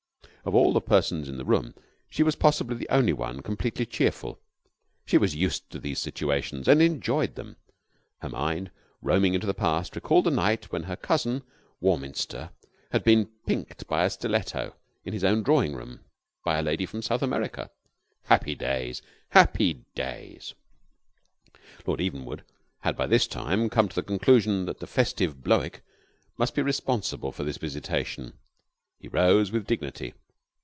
Of all the persons in the room, she was possibly the only one completely cheerful. She was used to these situations and enjoyed them. Her mind, roaming into the past, recalled the night when her cousin Warminster had been pinked by a stiletto in his own drawing room by a lady from South America. Happy days, happy days. Lord Evenwood had, by this time, come to the conclusion that the festive Blowick must be responsible for this visitation. He rose with dignity.